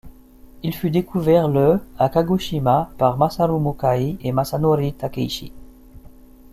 Il fut découvert le à Kagoshima par Masaru Mukai et Masanori Takeishi.